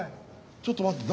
ちょっと待って。